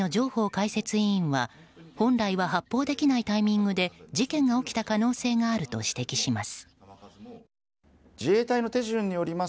解説委員は本来は発砲できないタイミングで事件が起きた可能性があると指摘します。